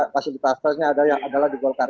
fasilitasinya adalah di golkar